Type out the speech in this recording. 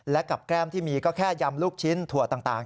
และกับแก้มที่มีก็แค่ยำลูกชิ้นถั่วต่าง